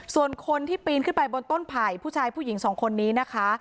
ส่วนคนที่ปีนขึ้นไปบนต้นไผ่ผู้ชายผู้หญิงสองคนนี้นะคะ